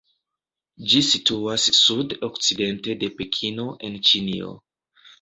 Ĝi situas sud-okcidente de Pekino en Ĉinio.